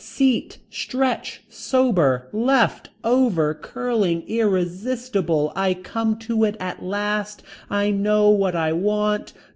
Seat. Stretch. Sober. Left. Over. Curling. Irresistible. I come to it at last. I know what I want.